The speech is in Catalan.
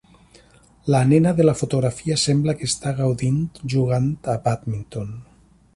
La nena de la fotografia sembla que està gaudint jugant a bàdminton.